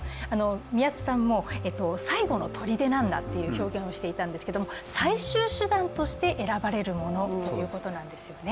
宮津さんも最後のとりでなんだという表現をしていたんですけれども、最終手段として選ばれるものということなんですよね。